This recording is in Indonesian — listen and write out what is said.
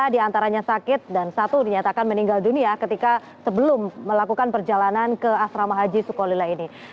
tiga diantaranya sakit dan satu dinyatakan meninggal dunia ketika sebelum melakukan perjalanan ke asrama haji sukolila ini